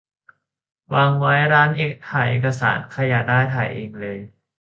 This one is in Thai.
วางไว้ร้านถ่ายเอกสาร ใครอยากได้ ถ่ายเองเลย